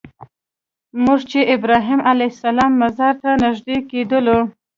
موږ چې ابراهیم علیه السلام مزار ته نږدې کېدلو.